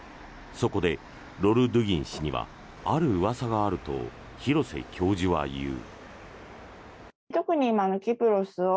そこでロルドゥギン氏にはあるうわさがあると廣瀬教授は言う。